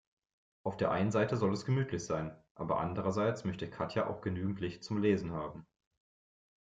Auf der einen Seite soll es gemütlich sein, aber andererseits möchte Katja auch genügend Licht zum Lesen haben.